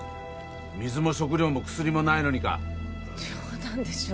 水も食料も薬もないのにか冗談でしょ